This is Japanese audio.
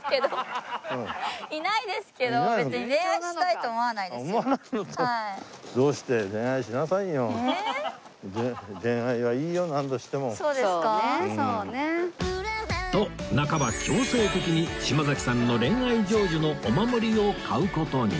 と半ば強制的に島崎さんの恋愛成就のお守りを買う事に